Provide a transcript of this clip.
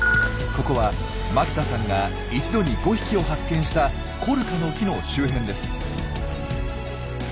ここは牧田さんが一度に５匹を発見したコルカの木の周辺です。